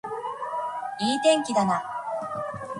いい天気だな